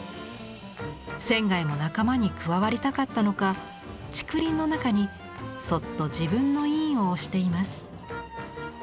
仙も仲間に加わりたかったのか竹林の中にそっと自分の印を押しています。